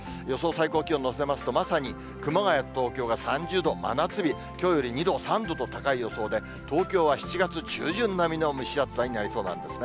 最高気温を載せますと、まさに熊谷と東京が３０度、真夏日、きょうより２度、３度と高い予想で、東京は７月中旬並みの蒸し暑さになりそうなんですね。